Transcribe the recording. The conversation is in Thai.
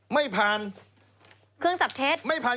ไม่ผ่าน